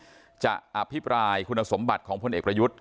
จะอภิปรายคุณสมบัติของพลเอกประยุทธ์